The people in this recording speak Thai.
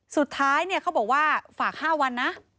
สุดท้ายเขาบอกว่าฝาก๕วันนะ